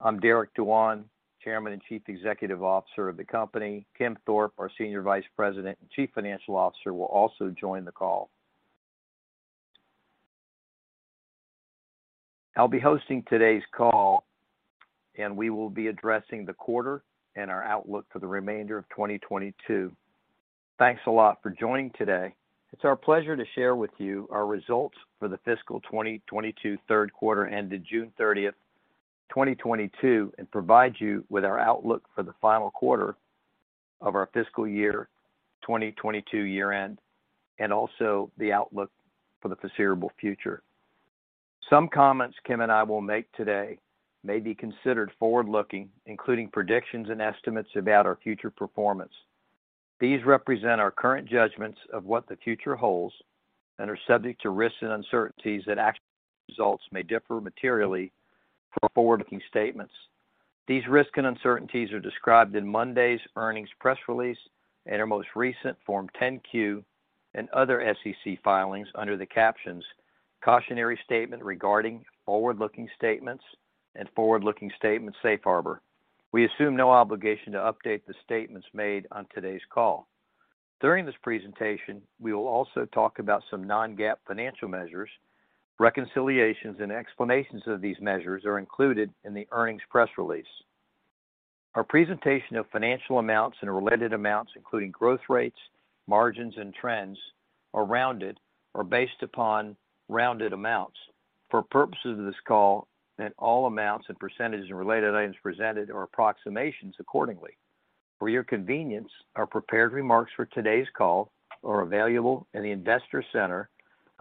I'm Derek Dewan, Chairman and Chief Executive Officer of the company. Kim Thorpe, our Senior Vice President and Chief Financial Officer, will also join the call. I'll be hosting today's call, and we will be addressing the quarter and our outlook for the remainder of 2022. Thanks a lot for joining today. It's our pleasure to share with you our results for the fiscal 2022 third quarter ended June 30, 2022, and provide you with our outlook for the final quarter of our fiscal year 2022 year-end, and also the outlook for the foreseeable future. Some comments Kim and I will make today may be considered forward-looking, including predictions and estimates about our future performance. These represent our current judgments of what the future holds and are subject to risks and uncertainties that actual results may differ materially from forward-looking statements. These risks and uncertainties are described in Monday's earnings press release and our most recent Form 10-Q and other SEC filings under the captions "Cautionary Statement Regarding Forward-Looking Statements" and "Forward-Looking Statement Safe Harbor." We assume no obligation to update the statements made on today's call. During this presentation, we will also talk about some non-GAAP financial measures. Reconciliations and explanations of these measures are included in the earnings press release. Our presentation of financial amounts and related amounts, including growth rates, margins, and trends, are rounded or based upon rounded amounts. For purposes of this call and all amounts and percentages and related items presented are approximations accordingly. For your convenience, our prepared remarks for today's call are available in the investor center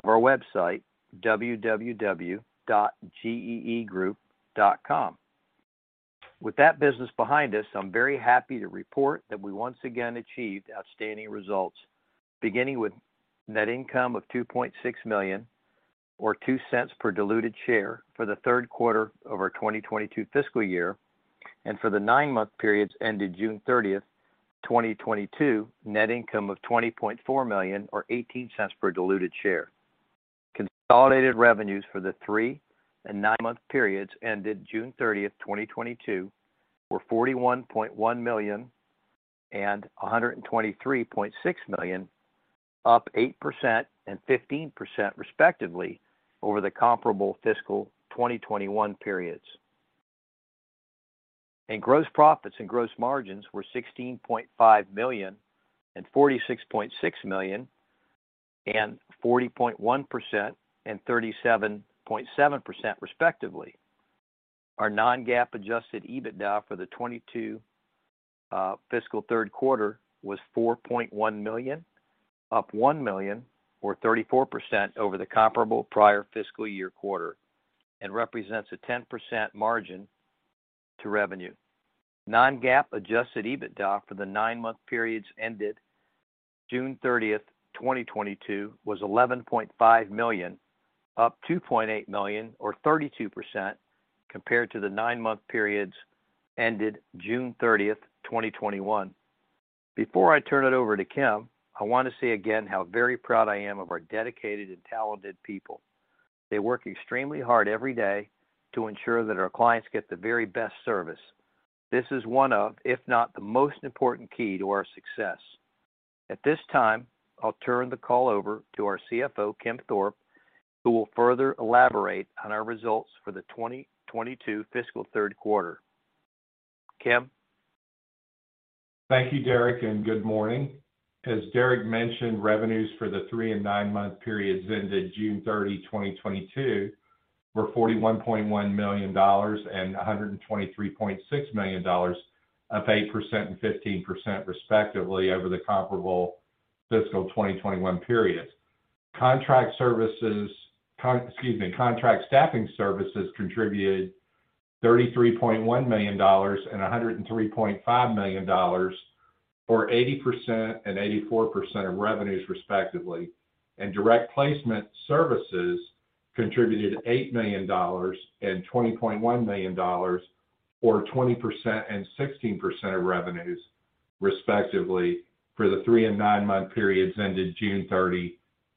of our website, www.geegroup.com. With that business behind us, I'm very happy to report that we once again achieved outstanding results, beginning with net income of $2.6 million or $0.02 per diluted share for the third quarter of our 2022 fiscal year. For the nine-month periods ended June 30, 2022, net income of $20 million or $0.18 per diluted share. Consolidated revenues for the three and nine-month periods ended June 30, 2022 were $41.1 million and $123.6 million, up 8% and 15% respectively over the comparable fiscal 2021 periods. Gross profits and gross margins were $16.5 million and $46.6 million, and 40.1% and 37.7% respectively. Our Non-GAAP adjusted EBITDA for the 2022 fiscal third quarter was $4.1 million, up $1 million or 34% over the comparable prior fiscal year quarter, and represents a 10% margin to revenue. Non-GAAP adjusted EBITDA for the nine-month periods ended June 30, 2022 was $11.5 million, up $2.8 million or 32% compared to the nine-month periods ended June 30, 2021. Before I turn it over to Kim, I want to say again how very proud I am of our dedicated and talented people. They work extremely hard every day to ensure that our clients get the very best service. This is one of, if not the most important key to our success. At this time, I'll turn the call over to our CFO, Kim Thorpe, who will further elaborate on our results for the 2022 fiscal third quarter. Kim. Thank you, Derek, and good morning. As Derek mentioned, revenues for the three and nine-month periods ended June 30, 2022 were $41.1 million and $123.6 million, up 8% and 15% respectively over the comparable fiscal 2021 periods. Contract staffing services contributed $33.1 million and $103.5 million, or 80% and 84% of revenues, respectively. Direct placement services contributed $8 million and $20.1 million, or 20% and 16% of revenues, respectively, for the three and nine-month periods ended June 30,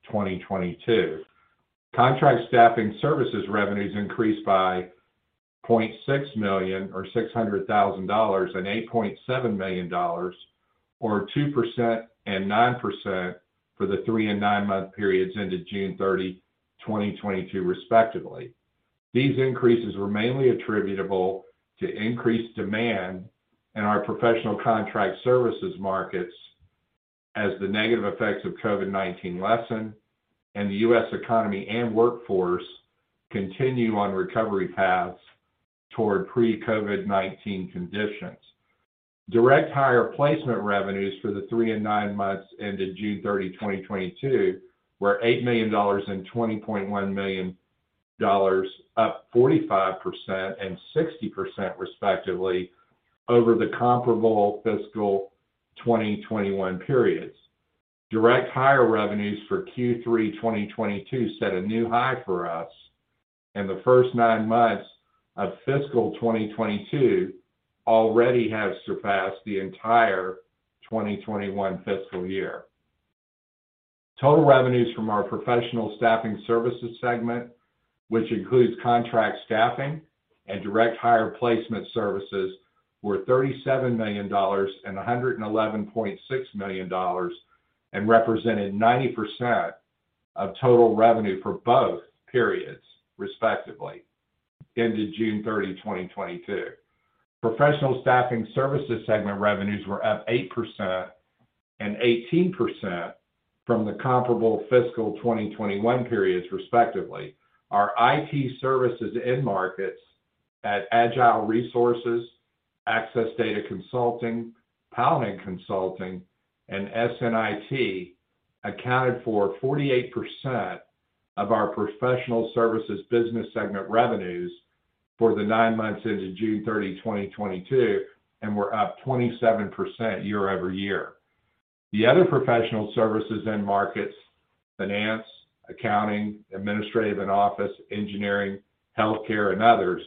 2022. Contract staffing services revenues increased by $0.6 million or $600,000 and $8.7 million or 2% and 9% for the three and nine-month periods ended June 30, 2022, respectively. These increases were mainly attributable to increased demand in our professional contract services markets as the negative effects of COVID-19 lessen and the U.S. economy and workforce continue on recovery paths toward pre-COVID-19 conditions. Direct hire placement revenues for the three and nine months ended June 30, 2022 were $8 million and $20.1 million, up 45% and 60% respectively over the comparable fiscal 2021 periods. Direct hire revenues for Q3 2022 set a new high for us, and the first nine months of fiscal 2022 already have surpassed the entire 2021 fiscal year. Total revenues from our professional staffing services segment, which includes contract staffing and direct hire placement services, were $37 million and $111.6 million, and represented 90% of total revenue for both periods, respectively, ended June 30, 2022. Professional staffing services segment revenues were up 8% and 18% from the comparable fiscal 2021 periods, respectively. Our IT services end markets at Agile Resources, Access Data Consulting, Paladin Consulting, and SNI Technology accounted for 48% of our professional services business segment revenues for the nine months ended June 30, 2022, and were up 27% year-over-year. The other professional services end markets, finance, accounting, administrative and office, engineering, healthcare and others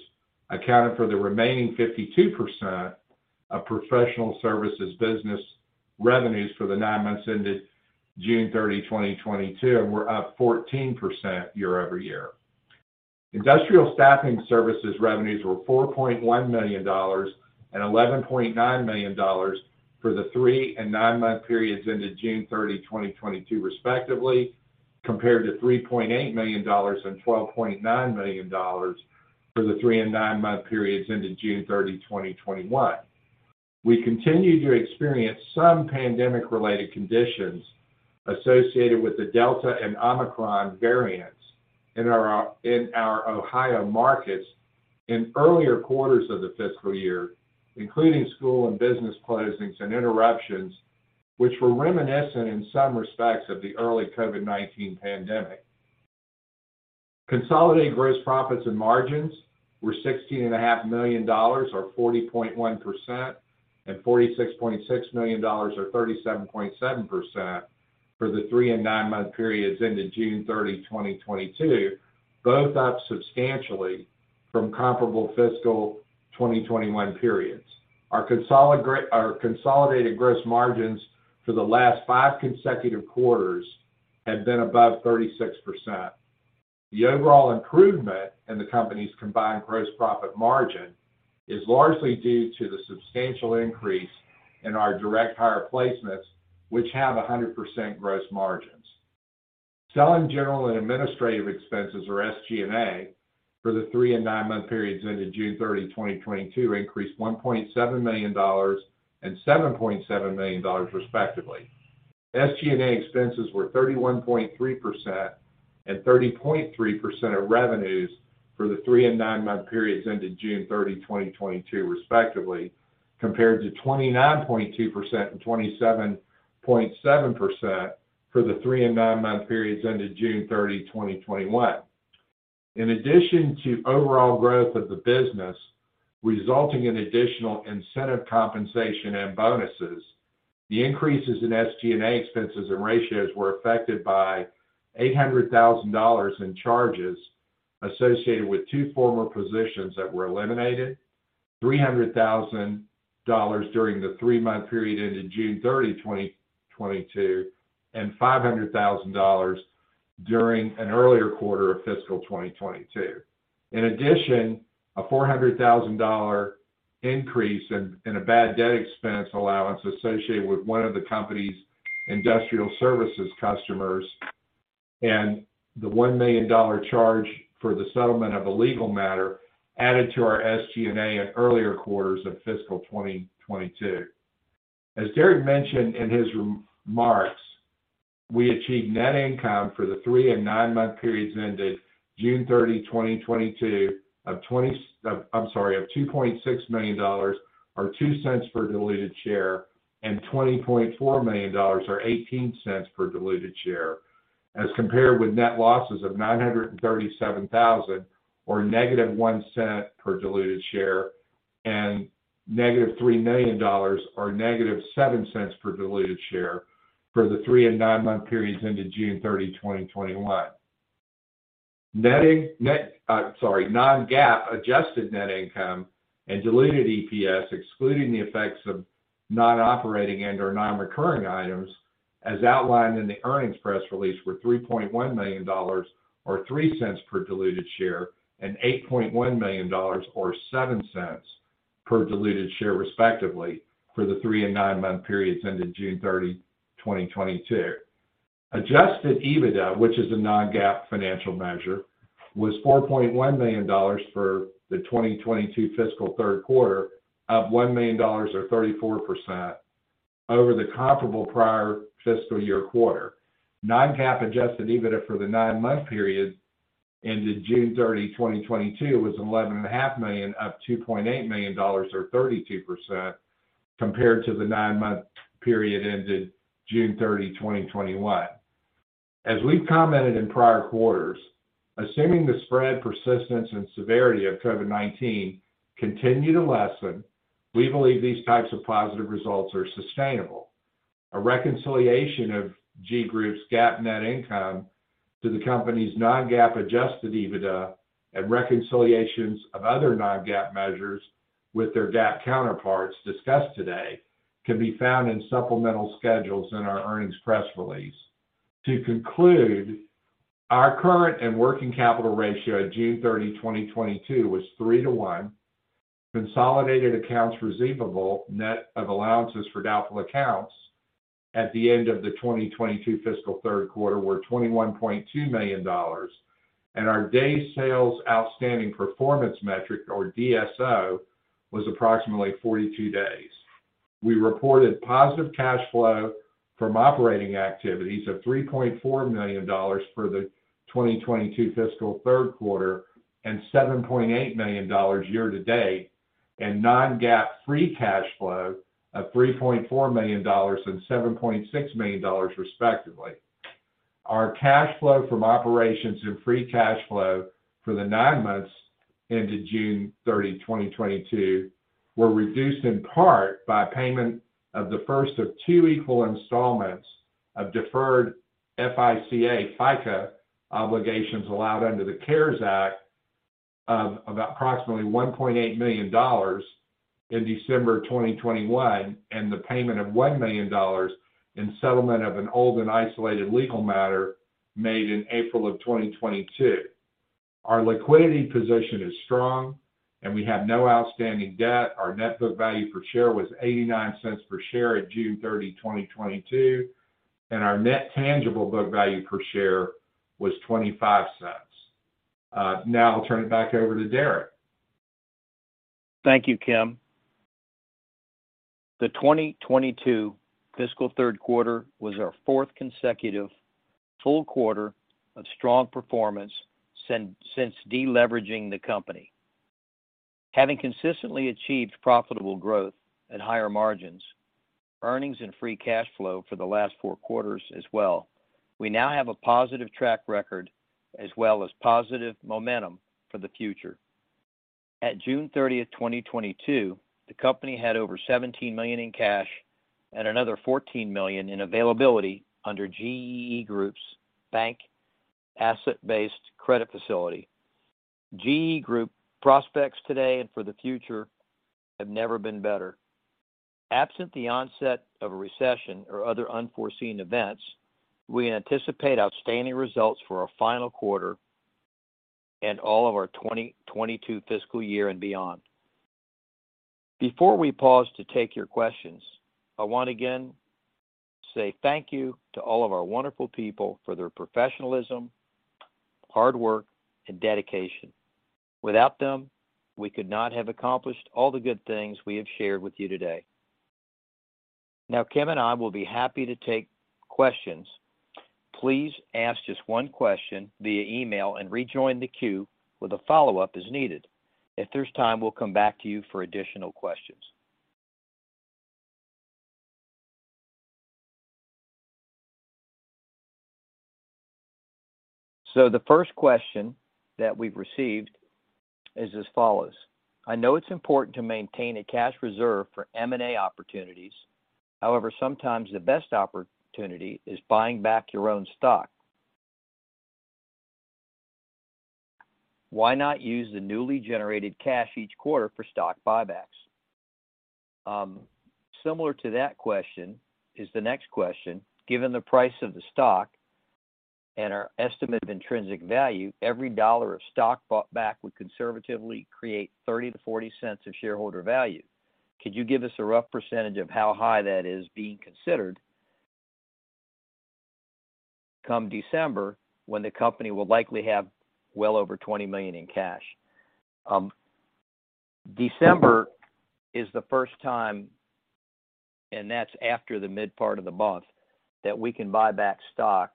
accounted for the remaining 52% of professional services business revenues for the nine months ended June 30, 2022, and were up 14% year-over-year. Industrial Staffing Services revenues were $4.1 million and $11.9 million for the three- and nine-month periods ended June 30, 2022 respectively, compared to $3.8 million and $12.9 million for the three and nine month periods ended June 30, 2021. We continued to experience some pandemic-related conditions associated with the Delta and Omicron variants in our Ohio markets in earlier quarters of the fiscal year, including school and business closings and interruptions, which were reminiscent in some respects of the early COVID-19 pandemic. Consolidated gross profits and margins were $16.5 million or 40.1% and $46.6 million or 37.7% for the three- and nine-month periods ended June 30, 2022, both up substantially from comparable fiscal 2021 periods. Our consolidated gross margins for the last five consecutive quarters have been above 36%. The overall improvement in the company's combined gross profit margin is largely due to the substantial increase in our direct hire placements, which have 100% gross margins. Selling general and administrative expenses, or SG&A, for the three- and nine-month periods ended June 30, 2022 increased $1.7 million and $7.7 million, respectively. SG&A expenses were 31.3% and 30.3% of revenues for the three- and nine-month periods ended June 30, 2022, respectively, compared to 29.2% and 27.7% for the three- and nine-month periods ended June 30, 2021. In addition to overall growth of the business, resulting in additional incentive compensation and bonuses, the increases in SG&A expenses and ratios were affected by $800 thousand in charges associated with two former positions that were eliminated. $300 thousand during the three-month period ended June 30, 2022, and $500 thousand during an earlier quarter of fiscal 2022. In addition, a $400 thousand increase in a bad debt expense allowance associated with one of the company's industrial services customers, and the $1 million charge for the settlement of a legal matter added to our SG&A in earlier quarters of fiscal 2022. As Derek mentioned in his remarks, we achieved net income for the three and nine-month periods ended June 30, 2022 of twenty... I'm sorry, of $2.6 million or $0.02 per diluted share, and $20.4 million or $0.18 per diluted share, as compared with net losses of $937,000 or -$0.01 per diluted share and -$3 million or -$0.07 per diluted share for the three- and nine-month periods ended June 30, 2021. Non-GAAP adjusted net income and diluted EPS, excluding the effects of non-operating and/or non-recurring items as outlined in the earnings press release, were $3.1 million or $0.03 per diluted share and $8.1 million or $0.07 per diluted share, respectively, for the three- and nine-month periods ended June 30, 2022. Adjusted EBITDA, which is a non-GAAP financial measure, was $4.1 million for the 2022 fiscal third quarter of $1 million or 34% over the comparable prior fiscal year quarter. Non-GAAP adjusted EBITDA for the nine-month period ended June 30, 2022 was $11.5 million, up $2.8 million or 32% compared to the nine-month period ended June 30, 2021. We've commented in prior quarters, assuming the spread, persistence, and severity of COVID-19 continue to lessen, we believe these types of positive results are sustainable. A reconciliation of GEE Group's GAAP net income to the company's non-GAAP adjusted EBITDA and reconciliations of other non-GAAP measures with their GAAP counterparts discussed today can be found in supplemental schedules in our earnings press release. To conclude, our current and working capital ratio at June 30, 2022 was three to one. Consolidated accounts receivable, net of allowances for doubtful accounts at the end of the 2022 fiscal third quarter were $21.2 million, and our days sales outstanding performance metric or DSO was approximately 42 days. We reported positive cash flow from operating activities of $3.4 million for the 2022 fiscal third quarter and $7.8 million year to date, and non-GAAP free cash flow of $3.4 million and $7.6 million respectively. Our cash flow from operations and free cash flow for the nine months into June 30, 2022 were reduced in part by payment of the first of two equal installments of deferred FICA obligations allowed under the CARES Act of approximately $1.8 million in December 2021, and the payment of $1 million in settlement of an old and isolated legal matter made in April 2022. Our liquidity position is strong, and we have no outstanding debt. Our net book value per share was $0.89 per share at June 30, 2022, and our net tangible book value per share was $0.25. Now I'll turn it back over to Derek. Thank you, Kim. The 2022 fiscal third quarter was our fourth consecutive full quarter of strong performance since deleveraging the company. Having consistently achieved profitable growth at higher margins, earnings and free cash flow for the last four quarters as well, we now have a positive track record as well as positive momentum for the future. At June 30, 2022, the company had over $17 million in cash and another $14 million in availability under GEE Group's bank asset-based credit facility. GEE Group prospects today and for the future have never been better. Absent the onset of a recession or other unforeseen events, we anticipate outstanding results for our final quarter and all of our 2022 fiscal year and beyond. Before we pause to take your questions, I want to again say thank you to all of our wonderful people for their professionalism, hard work, and dedication. Without them, we could not have accomplished all the good things we have shared with you today. Now, Kim and I will be happy to take questions. Please ask just one question via email and rejoin the queue with a follow-up as needed. If there's time, we'll come back to you for additional questions. The first question that we've received is as follows: I know it's important to maintain a cash reserve for M&A opportunities. However, sometimes the best opportunity is buying back your own stock. Why not use the newly generated cash each quarter for stock buybacks? Similar to that question is the next question. Given the price of the stock and our estimate of intrinsic value, every dollar of stock bought back would conservatively create $0.30-$0.40 of shareholder value. Could you give us a rough percentage of how high that is being considered come December when the company will likely have well over $20 million in cash? December is the first time, and that's after the mid part of the month, that we can buy back stock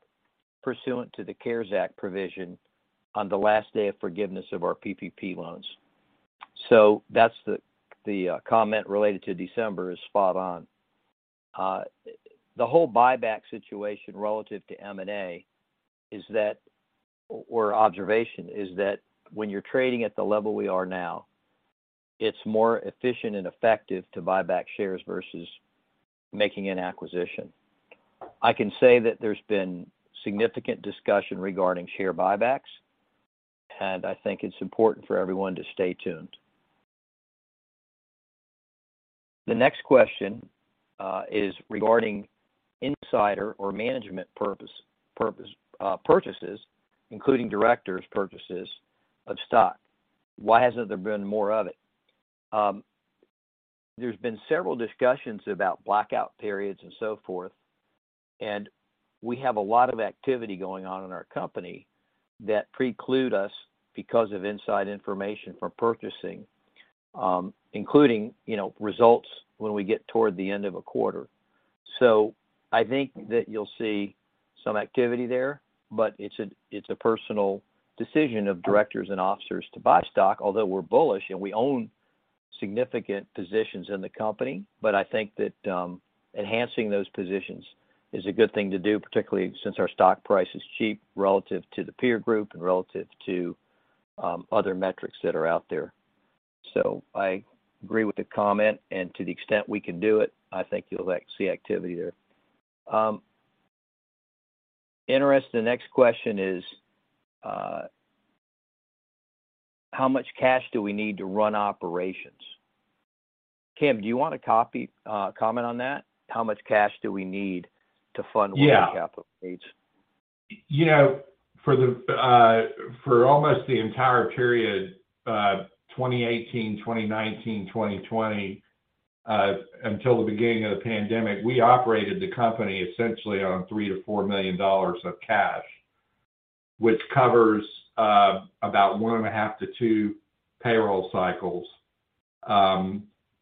pursuant to the CARES Act provision on the last day of forgiveness of our PPP loans. That's the comment related to December is spot on. The whole buyback situation relative to M&A observation is that when you're trading at the level we are now, it's more efficient and effective to buy back shares versus making an acquisition. I can say that there's been significant discussion regarding share buybacks, and I think it's important for everyone to stay tuned. The next question is regarding insider or management purchases, including directors' purchases of stock. Why hasn't there been more of it? There's been several discussions about blackout periods and so forth, and we have a lot of activity going on in our company that preclude us because of insider information from purchasing, including, you know, results when we get toward the end of a quarter. I think that you'll see some activity there, but it's a personal decision of directors and officers to buy stock, although we're bullish, and we own significant positions in the company. I think that, enhancing those positions is a good thing to do, particularly since our stock price is cheap relative to the peer group and relative to, other metrics that are out there. I agree with the comment, and to the extent we can do it, I think you'll, like, see activity there. Interesting, the next question is, how much cash do we need to run operations? Kim, do you want to comment on that? How much cash do we need to fund- Yeah working capital needs? You know, for almost the entire period 2018, 2019, 2020, until the beginning of the pandemic, we operated the company essentially on $3 million-$4 million of cash, which covers about 1.5-2 payroll cycles.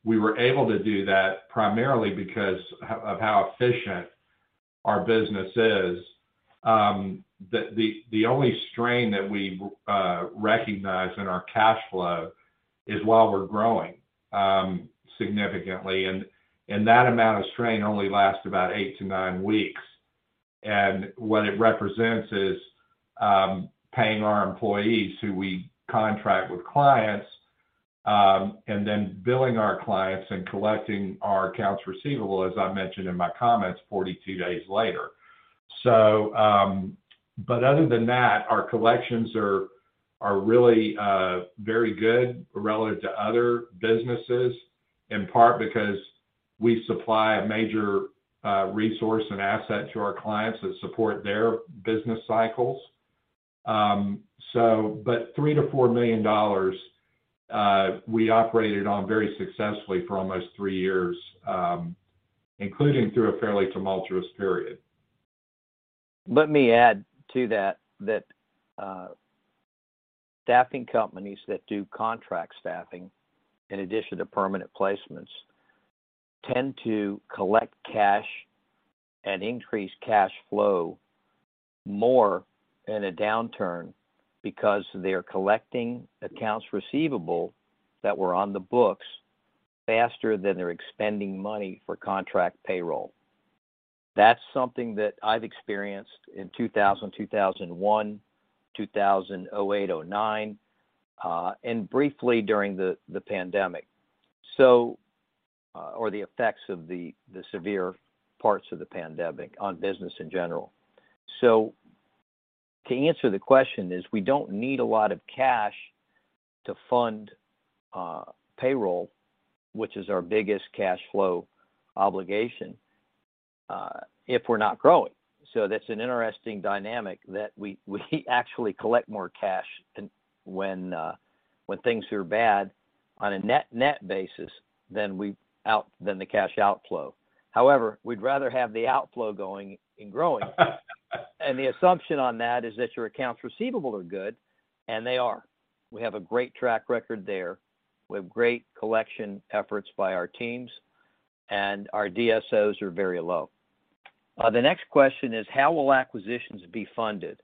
We were able to do that primarily because of how efficient our business is. The only strain that we recognize in our cash flow is while we're growing significantly and that amount of strain only lasts about eight to nine weeks. What it represents is paying our employees who we contract with clients and then billing our clients and collecting our accounts receivable, as I mentioned in my comments, 42 days later. Other than that, our collections are really very good relative to other businesses, in part because we supply a major resource and asset to our clients that support their business cycles. $3 million-$4 million we operated on very successfully for almost three years, including through a fairly tumultuous period. Let me add to that, staffing companies that do contract staffing, in addition to permanent placements, tend to collect cash and increase cash flow more in a downturn because they are collecting accounts receivable that were on the books faster than they're expending money for contract payroll. That's something that I've experienced in 2000, 2001, 2008, 2009, and briefly during the pandemic or the effects of the severe parts of the pandemic on business in general. To answer the question is we don't need a lot of cash to fund payroll, which is our biggest cash flow obligation, if we're not growing. That's an interesting dynamic that we actually collect more cash and when things are bad on a net-net basis than the cash outflow. However, we'd rather have the outflow going and growing. The assumption on that is that your accounts receivable are good, and they are. We have a great track record there. We have great collection efforts by our teams, and our DSOs are very low. The next question is, how will acquisitions be funded?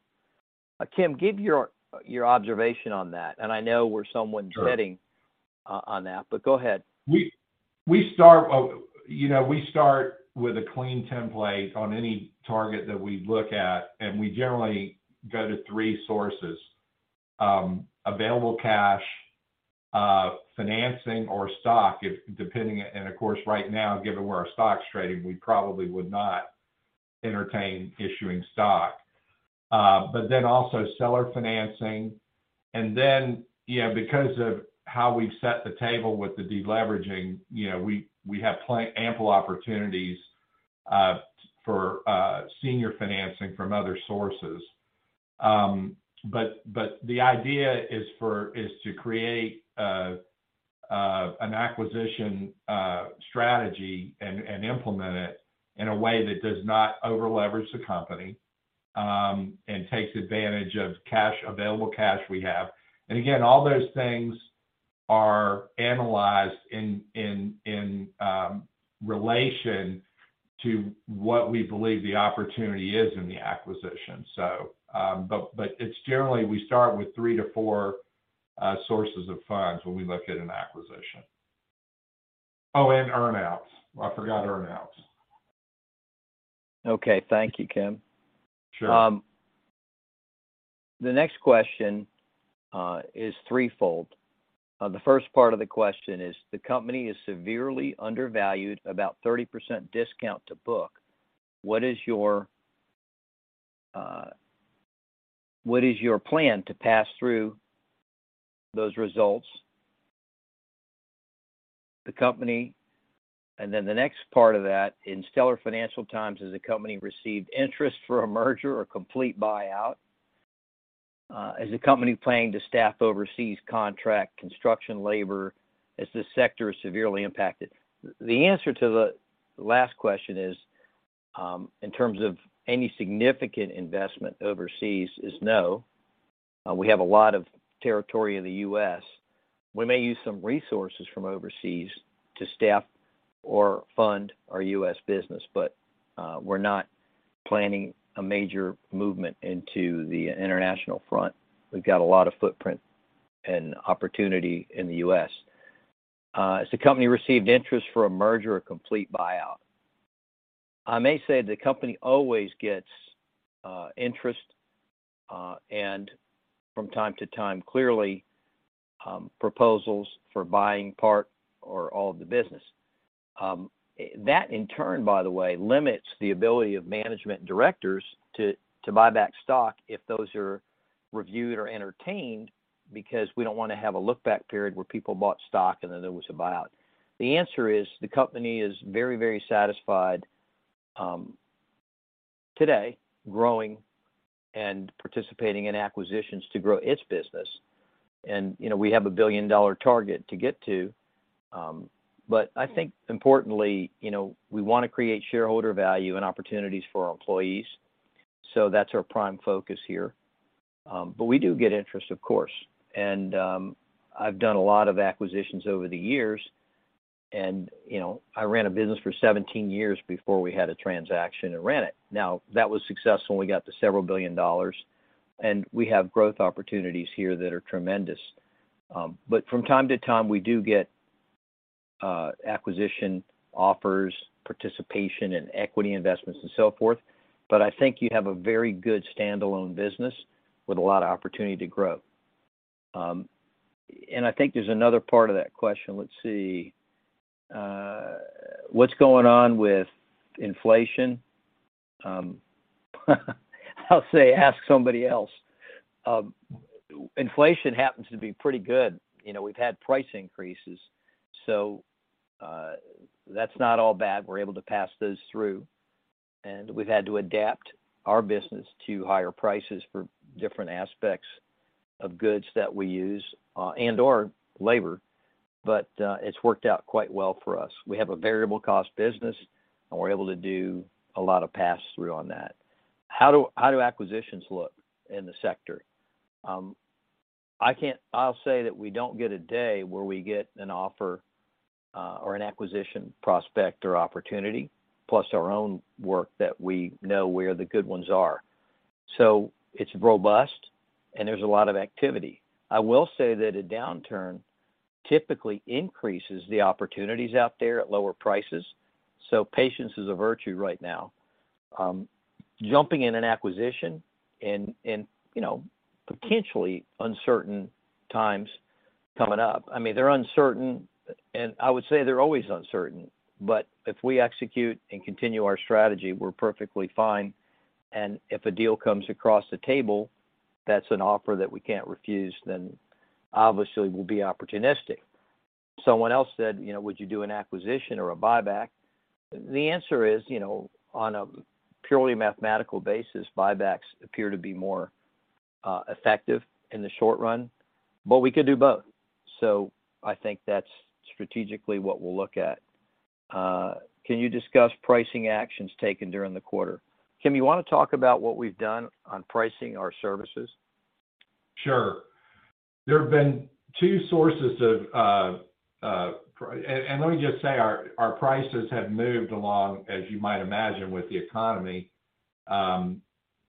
Kim, give your observation on that. Sure Heading on that, but go ahead. We start, you know, with a clean template on any target that we look at, and we generally go to three sources, available cash, financing or stock depending. Of course, right now, given where our stock's trading, we probably would not entertain issuing stock. But then also seller financing. Then, you know, because of how we've set the table with the deleveraging, you know, we have plenty ample opportunities for senior financing from other sources. But the idea is to create an acquisition strategy and implement it in a way that does not overleverage the company and takes advantage of cash, available cash we have. Again, all those things are analyzed in relation to what we believe the opportunity is in the acquisition. It's generally we start with three to four sources of funds when we look at an acquisition. Oh, earn-outs. I forgot earn-outs. Okay. Thank you, Kim. Sure. The next question is threefold. The first part of the question is, the company is severely undervalued, about 30% discount to book. What is your plan to pass through those results? In stellar financial times, has the company received interest for a merger or complete buyout? Is the company planning to staff overseas contract construction labor as this sector is severely impacted? The answer to the last question is, in terms of any significant investment overseas is no. We have a lot of territory in the U.S. We may use some resources from overseas to staff or fund our U.S. business, but we're not planning a major movement into the international front. We've got a lot of footprint and opportunity in the U.S. Has the company received interest for a merger or complete buyout? I may say the company always gets interest, and from time to time, clearly, proposals for buying part or all of the business. That in turn, by the way, limits the ability of management directors to buy back stock if those are reviewed or entertained, because we don't want to have a look-back period where people bought stock and then there was a buyout. The answer is, the company is very, very satisfied today growing and participating in acquisitions to grow its business. You know, we have a billion-dollar target to get to. I think importantly, you know, we wanna create shareholder value and opportunities for our employees. That's our prime focus here. We do get interest, of course. I've done a lot of acquisitions over the years and, you know, I ran a business for 17 years before we had a transaction and ran it. Now that was successful and we got to $several billion, and we have growth opportunities here that are tremendous. From time to time, we do get acquisition offers, participation in equity investments and so forth. But I think you have a very good standalone business with a lot of opportunity to grow. And I think there's another part of that question. Let's see. What's going on with inflation? I'll say ask somebody else. Inflation happens to be pretty good. You know, we've had price increases, so that's not all bad. We're able to pass those through, and we've had to adapt our business to higher prices for different aspects of goods that we use, and/or labor, but it's worked out quite well for us. We have a variable cost business, and we're able to do a lot of pass-through on that. How do acquisitions look in the sector? I'll say that we don't get a day where we get an offer, or an acquisition prospect or opportunity, plus our own work that we know where the good ones are. It's robust and there's a lot of activity. I will say that a downturn typically increases the opportunities out there at lower prices, so patience is a virtue right now. Jumping in an acquisition in you know, potentially uncertain times coming up. I mean, they're uncertain, and I would say they're always uncertain. If we execute and continue our strategy, we're perfectly fine. If a deal comes across the table that's an offer that we can't refuse, then obviously we'll be opportunistic. Someone else said, you know, would you do an acquisition or a buyback? The answer is, you know, on a purely mathematical basis, buybacks appear to be more effective in the short run, but we could do both. I think that's strategically what we'll look at. Can you discuss pricing actions taken during the quarter? Kim, you wanna talk about what we've done on pricing our services? Sure. There have been two sources of. Let me just say, our prices have moved along, as you might imagine, with the economy, and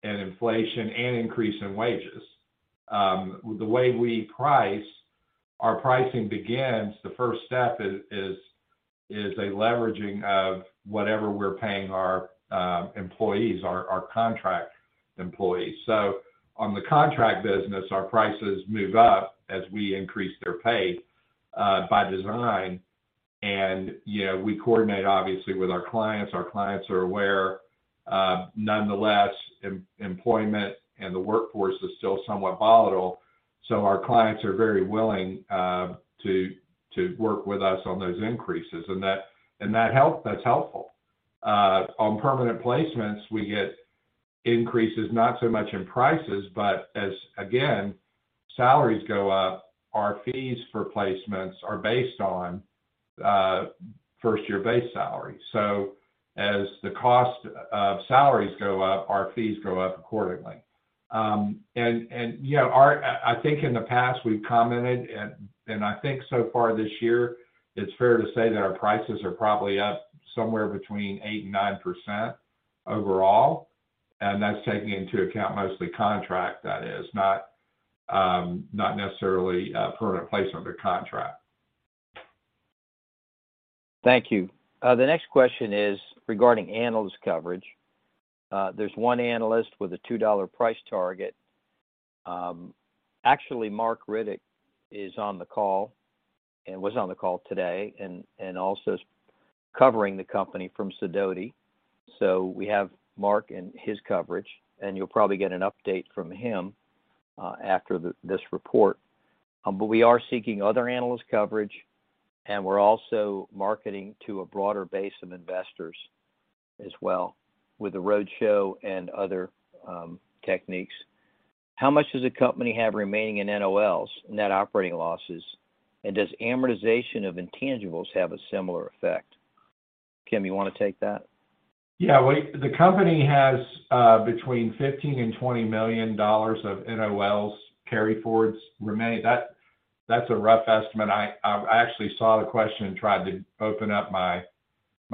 inflation and increase in wages. The way we price, our pricing begins. The first step is a leveraging of whatever we're paying our employees, our contract employees. On the contract business, our prices move up as we increase their pay, by design. You know, we coordinate obviously with our clients. Our clients are aware. Nonetheless, employment and the workforce is still somewhat volatile, so our clients are very willing to work with us on those increases, and that's helpful. On permanent placements, we get increases not so much in prices, but as, again, salaries go up, our fees for placements are based on first year base salary. As the cost of salaries go up, our fees go up accordingly. You know, I think in the past we've commented and I think so far this year, it's fair to say that our prices are probably up somewhere between 8%-9% overall. That's taking into account mostly contract that is not necessarily permanent placement or contract. Thank you. The next question is regarding analyst coverage. There's one analyst with a $2 price target. Actually Mark Riddick is on the call and was on the call today and also is covering the company from Sidoti & Company. So we have Mark and his coverage, and you'll probably get an update from him after this report. But we are seeking other analyst coverage, and we're also marketing to a broader base of investors as well with the roadshow and other techniques. How much does the company have remaining in NOLs, net operating losses? And does amortization of intangibles have a similar effect? Kim, you wanna take that? Yeah. The company has between $15 million and $20 million of NOLs carryforwards remaining. That's a rough estimate. I actually saw the question and tried to open up my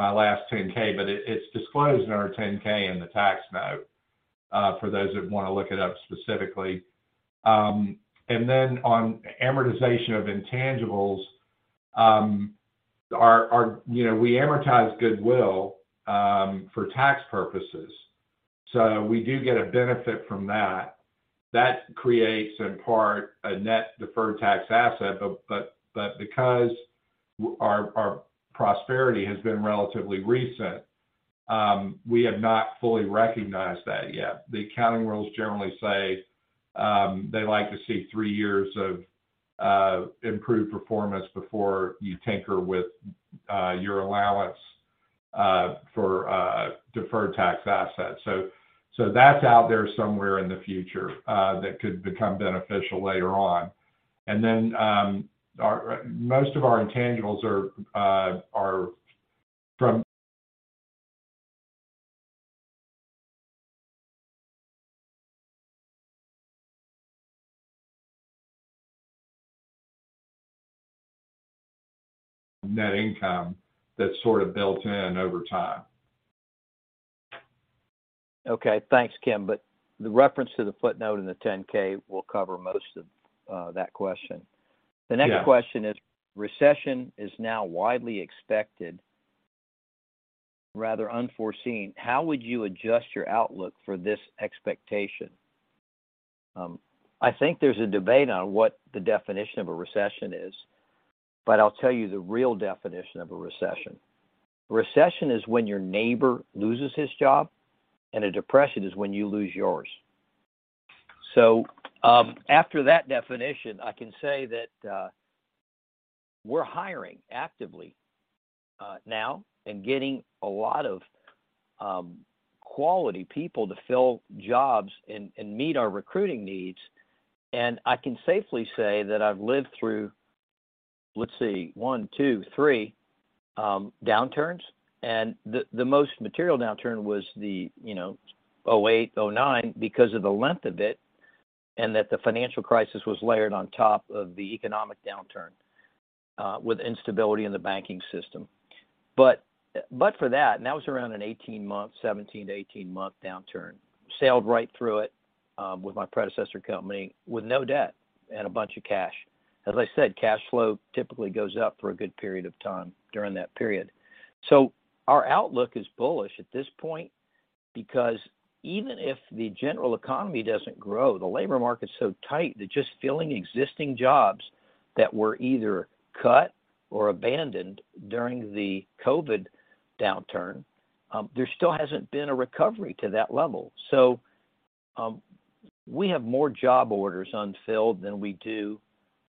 last 10-K, but it's disclosed in our 10-K in the tax note for those that wanna look it up specifically. On amortization of intangibles, our you know we amortize goodwill for tax purposes. So we do get a benefit from that. That creates in part a net deferred tax asset, but because our prosperity has been relatively recent, we have not fully recognized that yet. The accounting rules generally say they like to see three years of improved performance before you tinker with your allowance for deferred tax assets. That's out there somewhere in the future that could become beneficial later on. Most of our intangibles are from net income that's sort of built in over time. Okay. Thanks, Kim. The reference to the footnote in the 10-K will cover most of that question. Yeah. The next question is recession is now widely expected, rather unforeseen. I think there's a debate on what the definition of a recession is, but I'll tell you the real definition of a recession. Recession is when your neighbor loses his job, and a depression is when you lose yours. After that definition, I can say that we're hiring actively now and getting a lot of quality people to fill jobs and meet our recruiting needs. I can safely say that I've lived through, let's see, one, two, three downturns, and the most material downturn was the you know 2008 2009 because of the length of it, and that the financial crisis was layered on top of the economic downturn with instability in the banking system. For that was around a 18 months 17-18-month downturn, sailed right through it, with my predecessor company with no debt and a bunch of cash. As I said, cash flow typically goes up for a good period of time during that period. Our outlook is bullish at this point because even if the general economy doesn't grow, the labor market's so tight that just filling existing jobs that were either cut or abandoned during the COVID downturn, there still hasn't been a recovery to that level. We have more job orders unfilled than we do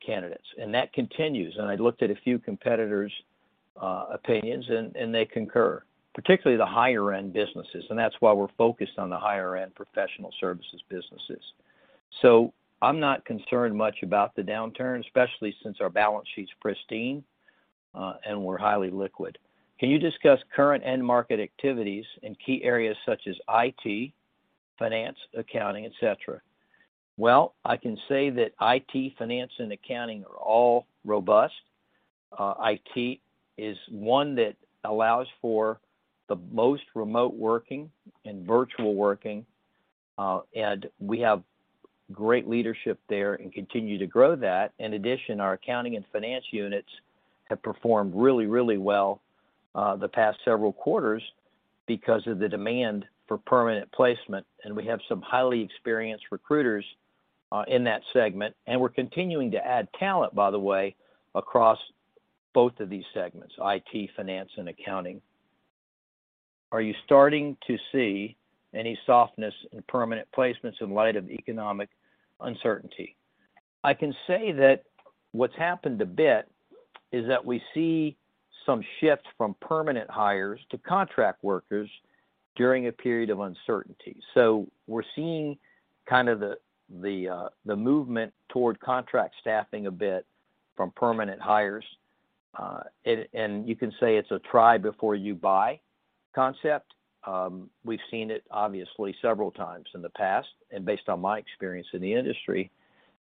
candidates, and that continues. I looked at a few competitors' opinions and they concur, particularly the higher-end businesses, and that's why we're focused on the higher-end professional services businesses. I'm not concerned much about the downturn, especially since our balance sheet's pristine, and we're highly liquid. Can you discuss current end market activities in key areas such as IT, finance, accounting, et cetera? I can say that IT, finance, and accounting are all robust. IT is one that allows for the most remote working and virtual working, and we have great leadership there and continue to grow that. In addition, our accounting and finance units have performed really, really well, the past several quarters because of the demand for permanent placement, and we have some highly experienced recruiters, in that segment. We're continuing to add talent, by the way, across both of these segments, IT, finance, and accounting. Are you starting to see any softness in permanent placements in light of economic uncertainty? I can say that what's happened a bit is that we see some shift from permanent hires to contract workers during a period of uncertainty. We're seeing kind of the movement toward contract staffing a bit from permanent hires. You can say it's a try before you buy concept. We've seen it obviously several times in the past and based on my experience in the industry.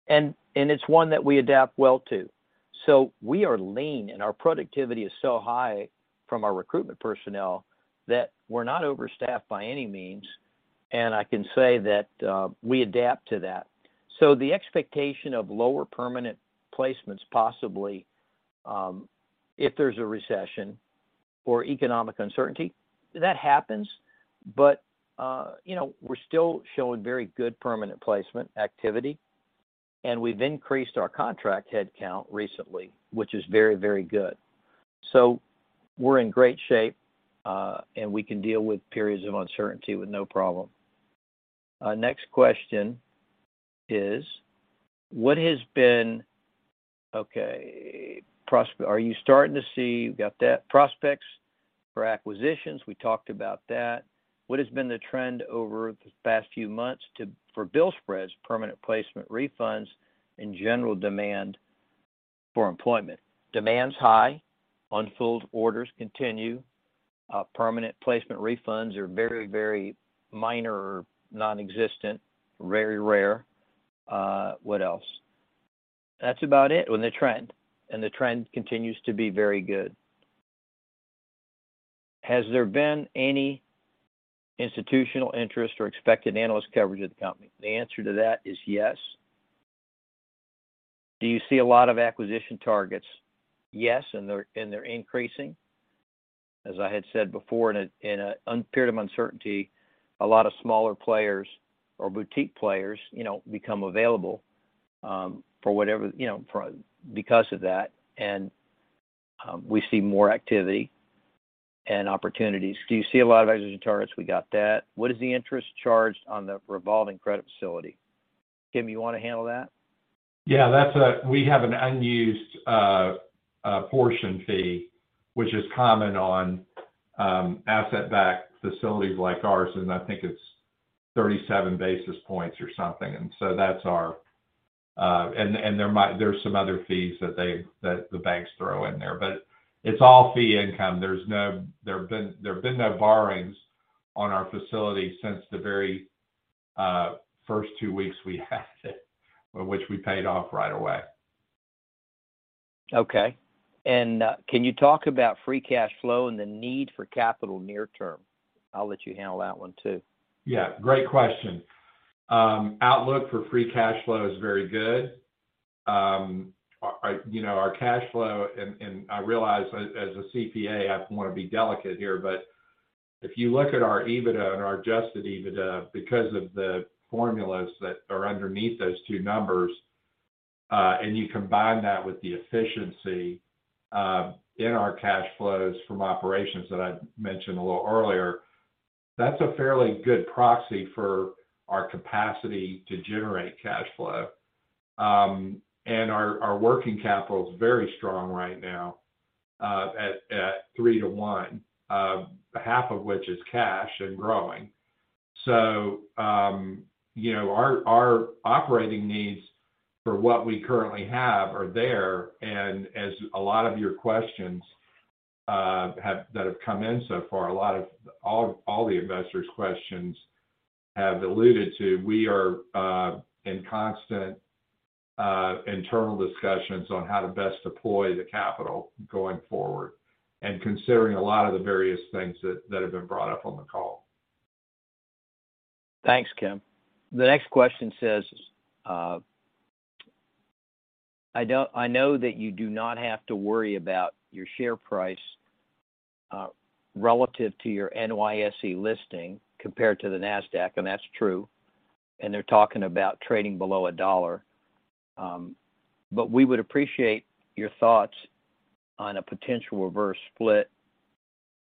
It's one that we adapt well to. We are lean, and our productivity is so high from our recruitment personnel that we're not overstaffed by any means, and I can say that we adapt to that. The expectation of lower permanent placements possibly, if there's a recession or economic uncertainty, that happens. You know, we're still showing very good permanent placement activity, and we've increased our contract headcount recently, which is very, very good. We're in great shape, and we can deal with periods of uncertainty with no problem. Our next question is, prospects for acquisitions. We talked about that. What has been the trend over the past few months for bill spreads, permanent placement refunds, and general demand for employment? Demand's high. Unfilled orders continue. Permanent placement refunds are very, very minor or nonexistent, very rare. What else? That's about it. And the trend continues to be very good. Has there been any institutional interest or expected analyst coverage of the company? The answer to that is yes. Do you see a lot of acquisition targets? Yes, they're increasing. As I had said before in a period of uncertainty, a lot of smaller players or boutique players, you know, become available for whatever, you know, because of that. We see more activity and opportunities. Do you see a lot of acquisition targets? We got that. What is the interest charged on the revolving credit facility? Kim, you wanna handle that? We have an unused portion fee, which is common on asset-backed facilities like ours, and I think it's 37 basis points or something. That's our. There's some other fees that the banks throw in there, but it's all fee income. There have been no borrowings on our facility since the very first two weeks we had it, which we paid off right away. Okay. Can you talk about free cash flow and the need for capital near term? I'll let you handle that one too. Yeah, great question. Outlook for free cash flow is very good. Our, you know, our cash flow and I realize as a CPA, I want to be delicate here, but if you look at our EBITDA and our adjusted EBITDA, because of the formulas that are underneath those two numbers, and you combine that with the efficiency in our cash flows from operations that I mentioned a little earlier, that's a fairly good proxy for our capacity to generate cash flow. Our working capital is very strong right now, at three to one, half of which is cash and growing. You know, our operating needs for what we currently have are there. A lot of your questions have... that have come in so far, all the investors' questions have alluded to. We are in constant internal discussions on how to best deploy the capital going forward and considering a lot of the various things that have been brought up on the call. Thanks, Kim. The next question says, "I know that you do not have to worry about your share price relative to your NYSE listing compared to the Nasdaq," and that's true, and they're talking about trading below a dollar. "But we would appreciate your thoughts on a potential reverse split."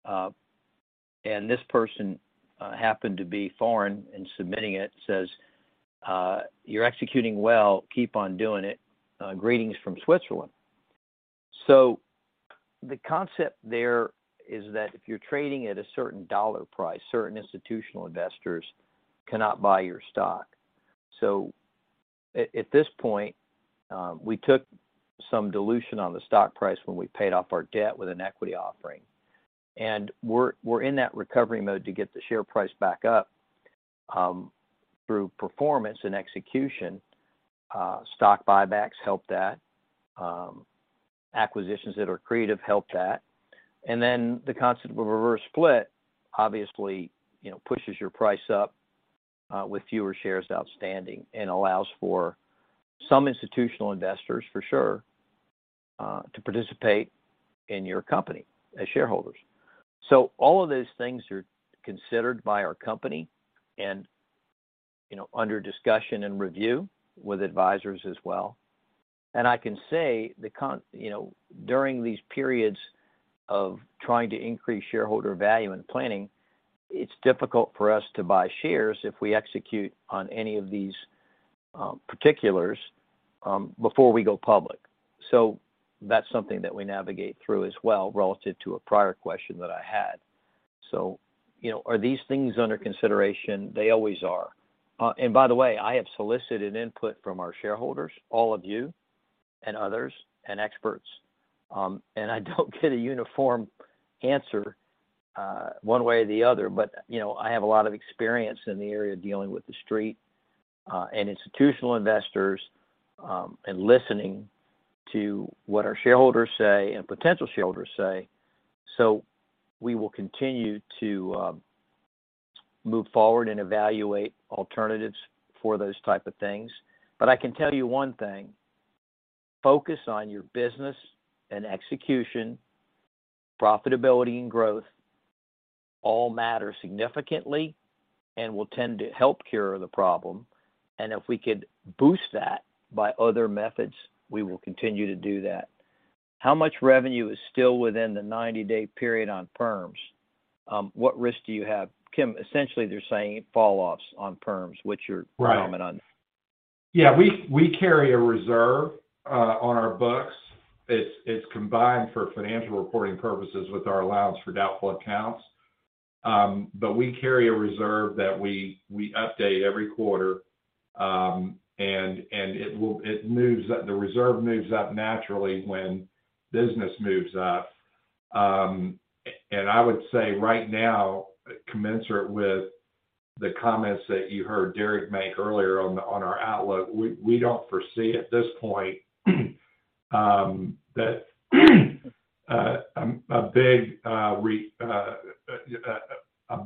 And this person happened to be foreign in submitting it, says, "You're executing well. Keep on doing it. Greetings from Switzerland." The concept there is that if you're trading at a certain dollar price, certain institutional investors cannot buy your stock. At this point, we took some dilution on the stock price when we paid off our debt with an equity offering. We're in that recovery mode to get the share price back up through performance and execution. Stock buybacks help that. Acquisitions that are creative help that. The concept of a reverse split obviously, you know, pushes your price up with fewer shares outstanding and allows for some institutional investors, for sure, to participate in your company as shareholders. All of those things are considered by our company and, you know, under discussion and review with advisors as well. I can say you know, during these periods of trying to increase shareholder value and planning, it's difficult for us to buy shares if we execute on any of these particulars before we go public. That's something that we navigate through as well relative to a prior question that I had. You know, are these things under consideration? They always are. By the way, I have solicited input from our shareholders, all of you and others and experts. I don't get a uniform answer, one way or the other, but, you know, I have a lot of experience in the area of dealing with the Street, and institutional investors, and listening to what our shareholders say and potential shareholders say. We will continue to move forward and evaluate alternatives for those type of things. I can tell you one thing: focus on your business and execution, profitability and growth all matter significantly and will tend to help cure the problem. If we could boost that by other methods, we will continue to do that. How much revenue is still within the 90-day period on firms? What risk do you have? Kim, essentially they're saying falloffs in firms, which you're predominant in. Right. Yeah. We carry a reserve on our books. It's combined for financial reporting purposes with our allowance for doubtful accounts. We carry a reserve that we update every quarter, and the reserve moves up naturally when business moves up. I would say right now, commensurate with the comments that you heard Derek make earlier on our outlook, we don't foresee at this point that a big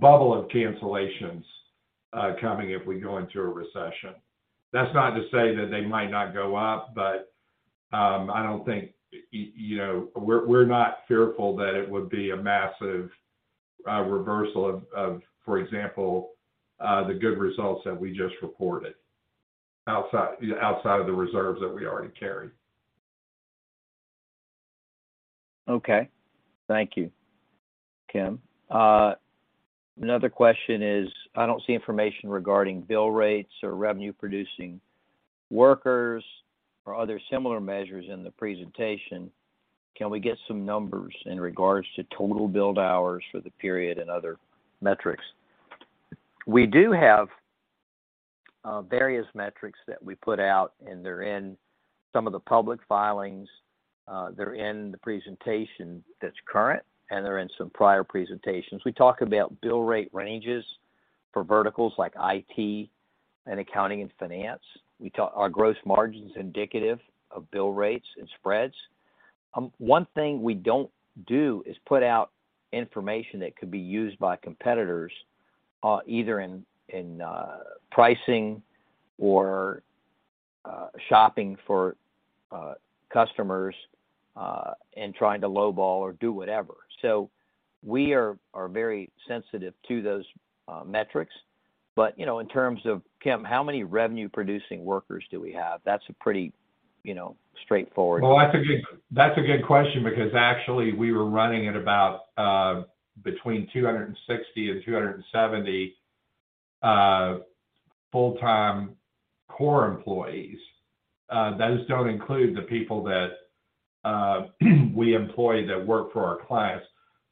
bubble of cancellations coming if we go into a recession. That's not to say that they might not go up, but I don't think. You know, we're not fearful that it would be a massive reversal of, for example, the good results that we just reported outside of the reserves that we already carry. Okay. Thank you, Kim. Another question is, I don't see information regarding bill rates or revenue producing workers or other similar measures in the presentation. Can we get some numbers in regards to total billed hours for the period and other metrics? We do have various metrics that we put out, and they're in some of the public filings. They're in the presentation that's current, and they're in some prior presentations. We talk about bill rate ranges for verticals like IT and accounting and finance. Our gross margin's indicative of bill rates and spreads. One thing we don't do is put out information that could be used by competitors, either in pricing or shopping for customers and trying to lowball or do whatever. We are very sensitive to those metrics. You know, in terms of, Kim, how many revenue producing workers do we have? That's a pretty, you know, straightforward- That's a good question because actually we were running at about between 260 and 270 full-time core employees. Those don't include the people that we employ that work for our clients.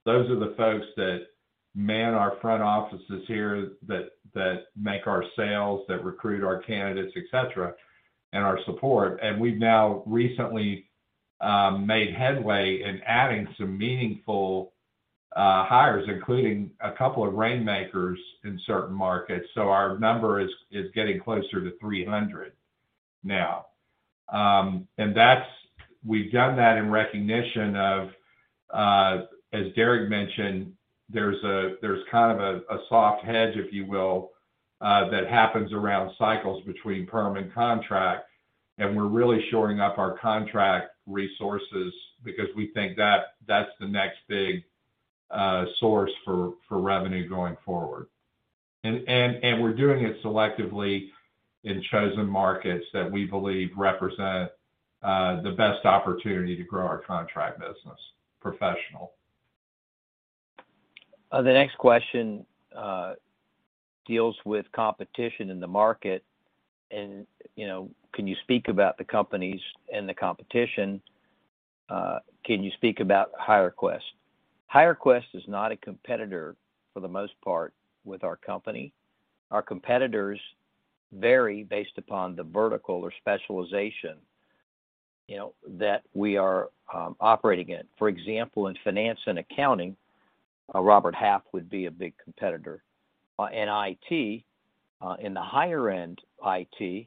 Those are the folks that man our front offices here, that make our sales, that recruit our candidates, et cetera, and our support. We've now recently made headway in adding some meaningful hires, including a couple of rainmakers in certain markets. Our number is getting closer to 300 now. We've done that in recognition of, as Derek mentioned, there's kind of a soft hedge, if you will, that happens around cycles between perm and contract, and we're really shoring up our contract resources because we think that that's the next big source for revenue going forward. We're doing it selectively in chosen markets that we believe represent the best opportunity to grow our contract business professional. The next question deals with competition in the market and, you know, can you speak about the companies and the competition? Can you speak about HireQuest? HireQuest is not a competitor for the most part with our company. Our competitors vary based upon the vertical or specialization, you know, that we are operating in. For example, in finance and accounting, a Robert Half would be a big competitor. In IT, in the higher-end IT,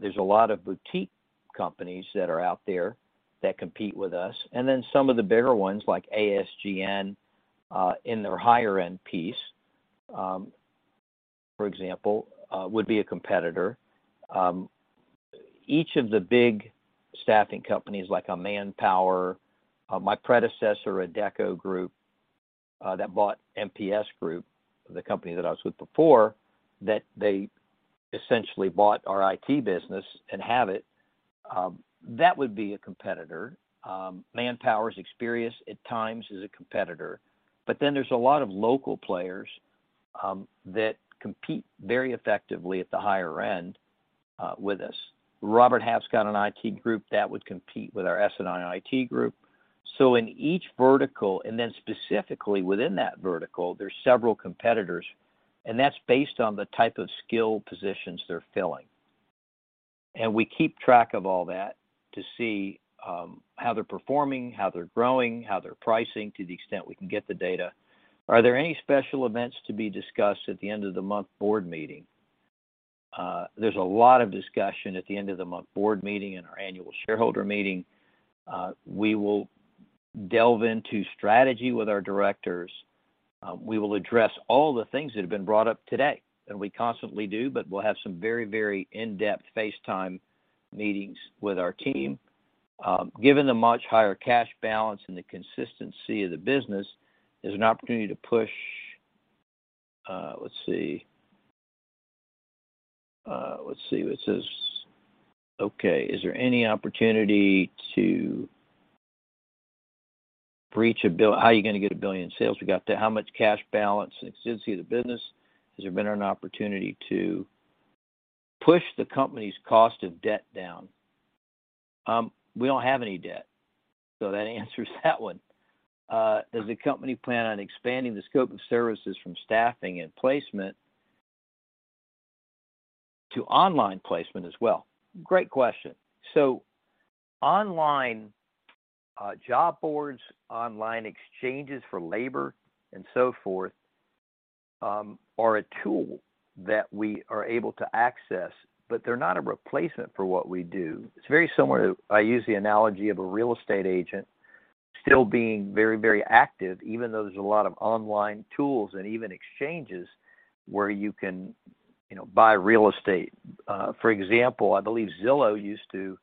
there's a lot of boutique companies that are out there that compete with us, and then some of the bigger ones like ASGN, in their higher end piece, for example, would be a competitor. Each of the big staffing companies like ManpowerGroup, my predecessor, The Adecco Group, that bought MPS Group, the company that I was with before, that they essentially bought our IT business and have it, that would be a competitor. ManpowerGroup's experience at times is a competitor. Then there's a lot of local players that compete very effectively at the higher end with us. Robert Half's got an IT group that would compete with our SNI IT group. In each vertical, and then specifically within that vertical, there's several competitors, and that's based on the type of skill positions they're filling. We keep track of all that to see how they're performing, how they're growing, how they're pricing to the extent we can get the data. Are there any special events to be discussed at the end of the month board meeting? There's a lot of discussion at the end of the month board meeting and our annual shareholder meeting. We will delve into strategy with our directors. We will address all the things that have been brought up today, and we constantly do, but we'll have some very, very in-depth face time meetings with our team. Given the much higher cash balance and the consistency of the business, there's an opportunity to push. How are you gonna get $1 billion in sales? We got the much higher cash balance and consistency of the business. Has there been an opportunity to push the company's cost of debt down? We don't have any debt, so that answers that one. Does the company plan on expanding the scope of services from staffing and placement to online placement as well. Great question. Online, job boards, online exchanges for labor and so forth, are a tool that we are able to access, but they're not a replacement for what we do. It's very similar to. I use the analogy of a real estate agent still being very, very active, even though there's a lot of online tools and even exchanges where you can, you know, buy real estate. For example, I believe Zillow used to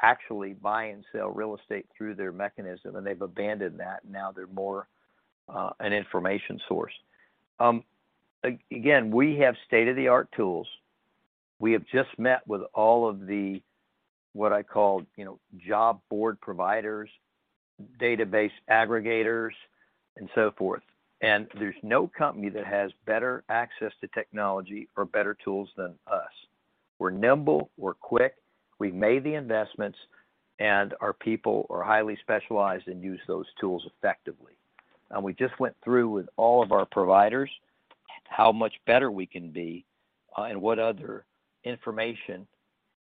actually buy and sell real estate through their mechanism, and they've abandoned that. Now they're more, an information source. Again, we have state-of-the-art tools. We have just met with all of the, what I call, you know, job board providers, database aggregators, and so forth. There's no company that has better access to technology or better tools than us. We're nimble, we're quick, we've made the investments, and our people are highly specialized and use those tools effectively. We just went through with all of our providers how much better we can be, and what other information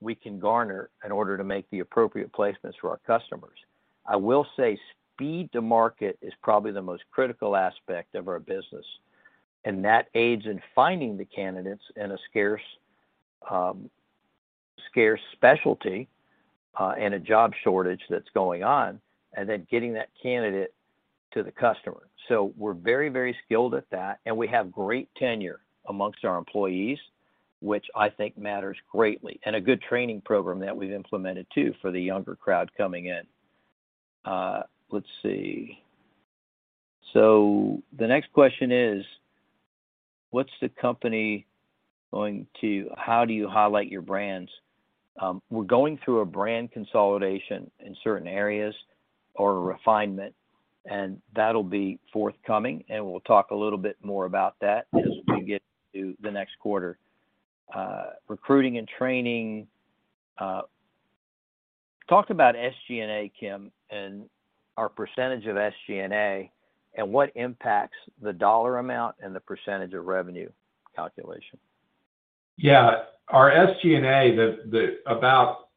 we can garner in order to make the appropriate placements for our customers. I will say speed to market is probably the most critical aspect of our business, and that aids in finding the candidates in a scarce specialty, and a job shortage that's going on, and then getting that candidate to the customer. We're very, very skilled at that, and we have great tenure among our employees, which I think matters greatly, and a good training program that we've implemented too for the younger crowd coming in. Let's see. The next question is, how do you highlight your brands? We're going through a brand consolidation in certain areas or a refinement, and that'll be forthcoming, and we'll talk a little bit more about that as we get to the next quarter. Recruiting and training. Talk about SG&A, Kim, and our percentage of SG&A and what impacts the dollar amount and the percentage of revenue calculation. Yeah. Our SG&A, about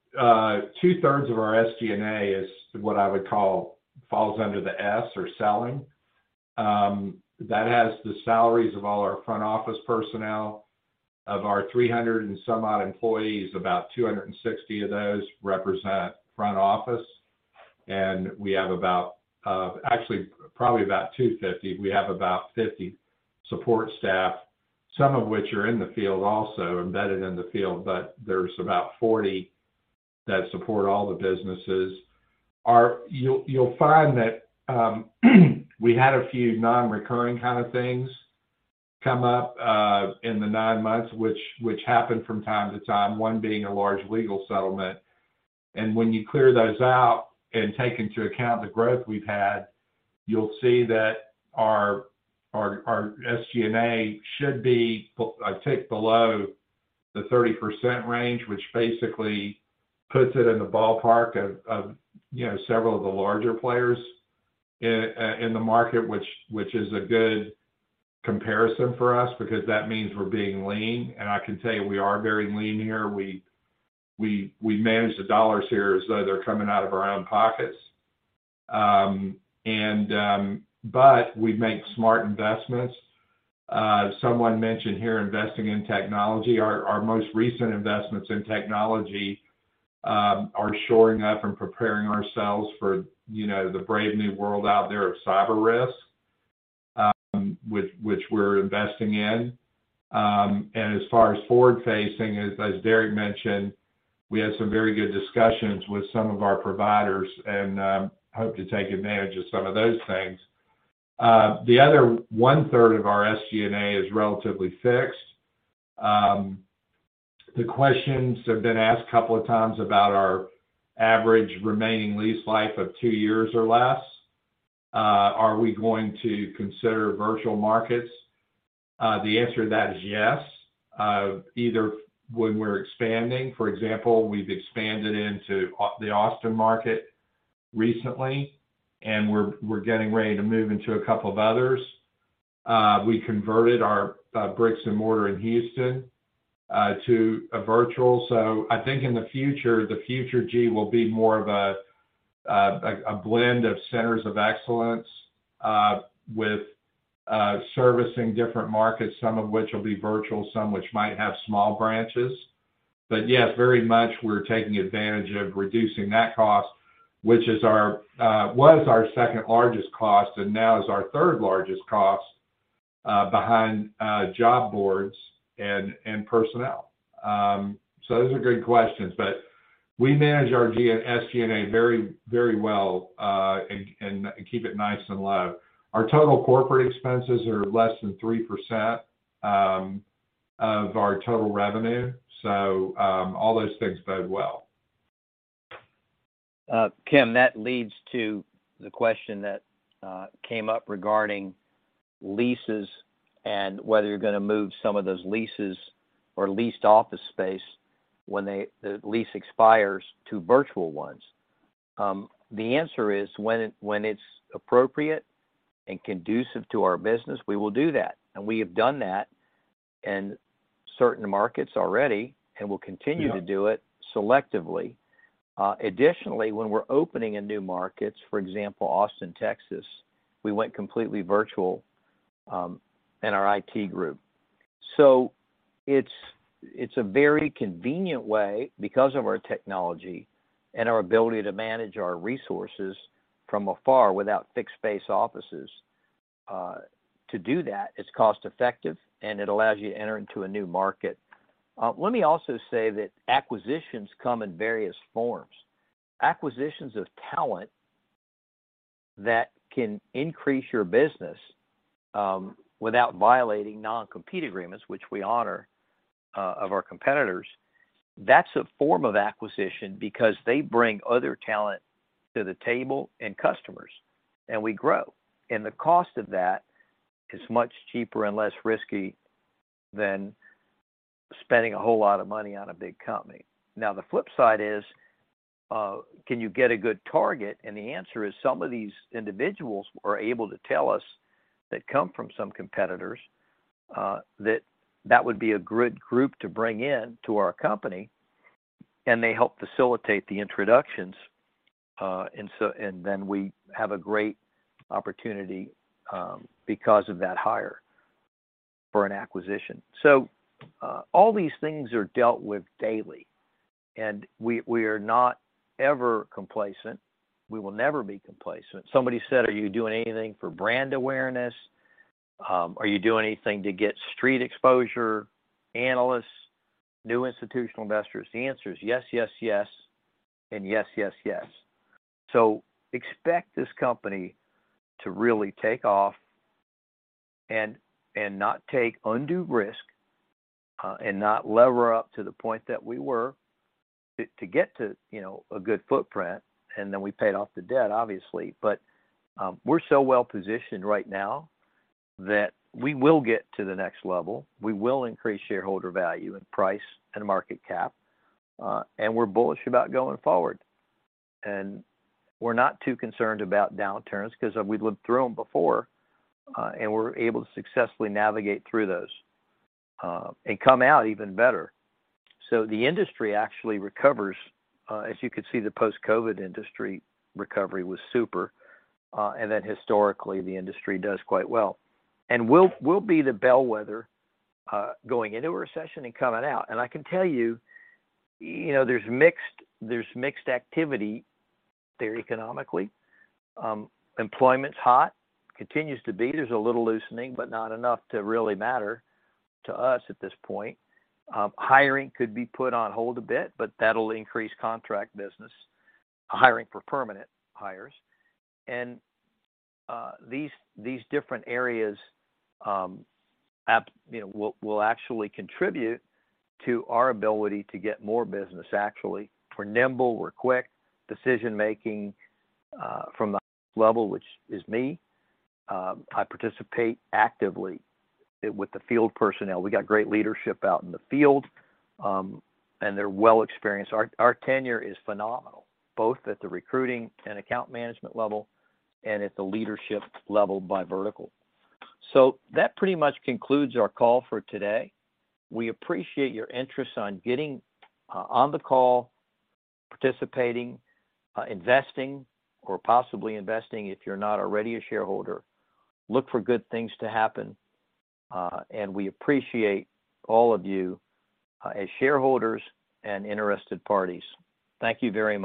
two-thirds of our SG&A is what I would call falls under the S or selling. That has the salaries of all our front office personnel. Of our 300 and some odd employees, about 260 of those represent front office. We have about, actually probably about 250. We have about 50 support staff, some of which are in the field also, embedded in the field. There's about 40 that support all the businesses. You'll find that we had a few non-recurring kind of things come up, in the nine months which happen from time to time, one being a large legal settlement. When you clear those out and take into account the growth we've had, you'll see that our SG&A should be, I think, below the 30% range, which basically puts it in the ballpark of, you know, several of the larger players in the market, which is a good comparison for us because that means we're being lean. I can tell you we are very lean here. We manage the dollars here as though they're coming out of our own pockets. We make smart investments. Someone mentioned here investing in technology. Our most recent investments in technology are shoring up and preparing ourselves for, you know, the brave new world out there of cyber risk, which we're investing in. As far as forward-facing, as Derek mentioned, we had some very good discussions with some of our providers and hope to take advantage of some of those things. The other one-third of our SG&A is relatively fixed. The questions have been asked a couple of times about our average remaining lease life of two years or less. Are we going to consider virtual markets? The answer to that is yes. Either when we're expanding, for example, we've expanded into the Austin market recently, and we're getting ready to move into a couple of others. We converted our bricks and mortar in Houston to a virtual. I think in the future, the future GEE will be more of a blend of centers of excellence with servicing different markets, some of which will be virtual, some which might have small branches. But yes, very much we're taking advantage of reducing that cost, which was our second largest cost, and now is our third largest cost behind job boards and personnel. Those are good questions, but we manage our SG&A very, very well and keep it nice and low. Our total corporate expenses are less than 3% of our total revenue. All those things bode well. Kim, that leads to the question that came up regarding leases and whether you're gonna move some of those leases or leased office space when the lease expires to virtual ones. The answer is when it's appropriate and conducive to our business, we will do that. We have done that in certain markets already, and we'll continue. Yeah To do it selectively. Additionally, when we're opening in new markets, for example, Austin, Texas, we went completely virtual, in our IT group. It's a very convenient way because of our technology and our ability to manage our resources from afar without fixed-phase offices to do that. It's cost-effective, and it allows you to enter into a new market. Let me also say that acquisitions come in various forms. Acquisitions of talent that can increase your business without violating non-compete agreements, which we honor, of our competitors. That's a form of acquisition because they bring other talent to the table and customers, and we grow. The cost of that is much cheaper and less risky than spending a whole lot of money on a big company. Now, the flip side is, can you get a good target? The answer is some of these individuals are able to tell us they come from some competitors, that would be a good group to bring in to our company, and they help facilitate the introductions, and then we have a great opportunity, because of that hire for an acquisition. All these things are dealt with daily, and we are not ever complacent. We will never be complacent. Somebody said, "Are you doing anything for brand awareness? Are you doing anything to get street exposure, analysts, new institutional investors?" The answer is yes, yes, and yes, yes. Expect this company to really take off and not take undue risk and not lever up to the point that we were to get to, you know, a good footprint, and then we paid off the debt, obviously. We're so well-positioned right now that we will get to the next level. We will increase shareholder value and price and market cap, and we're bullish about going forward. We're not too concerned about downturns 'cause we've lived through them before, and we're able to successfully navigate through those and come out even better. The industry actually recovers. As you can see, the post-COVID industry recovery was super. Then historically, the industry does quite well. We'll be the bellwether going into a recession and coming out. I can tell you know, there's mixed activity there economically. Employment's hot, continues to be. There's a little loosening, but not enough to really matter to us at this point. Hiring could be put on hold a bit, but that'll increase contract business, hiring for permanent hires. These different areas will actually contribute to our ability to get more business, actually. We're nimble, we're quick decision-making from the level, which is me. I participate actively with the field personnel. We got great leadership out in the field, and they're well experienced. Our tenure is phenomenal, both at the recruiting and account management level and at the leadership level by vertical. That pretty much concludes our call for today. We appreciate your interest in getting on the call, participating, investing, or possibly investing if you're not already a shareholder. Look for good things to happen. We appreciate all of you as shareholders and interested parties. Thank you very much.